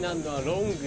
ロング？